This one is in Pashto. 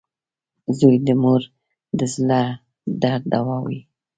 • زوی د مور د زړۀ درد دوا وي.